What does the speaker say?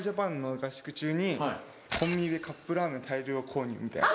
「コンビニでカップラーメン大量購入」みたいな。